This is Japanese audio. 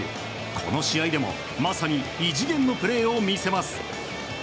この試合でもまさに異次元のプレーを見せます。